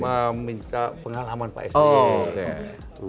meminta pengalaman pak sby